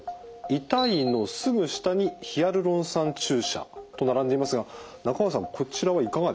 「痛い」のすぐ下に「ヒアルロン酸注射」と並んでいますが中川さんこちらはいかがでしょう？